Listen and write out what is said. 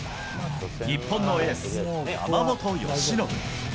日本のエース、山本由伸。